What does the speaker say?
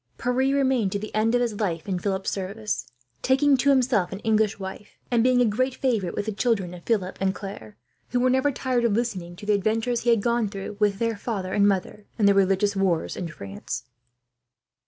Pierre remained to the end of his life in Philip's service, taking to himself an English wife, and being a great favourite with the children of Philip and Claire, who were never tired of listening to the adventures he had gone through, with their father and mother, in the religious wars in France.